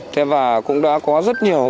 thế và cũng đã có rất nhiều